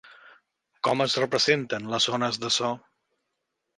Com es representen les ones de so?